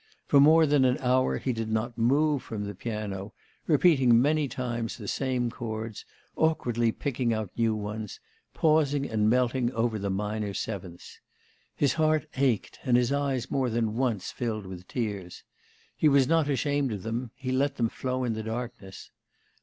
For more than an hour, he did not move from the piano, repeating many times the same chords, awkwardly picking out new ones, pausing and melting over the minor sevenths. His heart ached, and his eyes more than once filled with tears. He was not ashamed of them; he let them flow in the darkness.